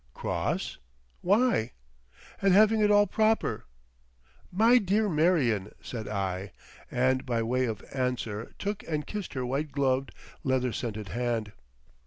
"Cross! Why?" "At having it all proper." "My dear Marion!" said I, and by way of answer took and kissed her white gloved, leather scented hand....